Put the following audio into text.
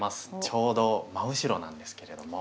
ちょうど真後ろなんですけれども。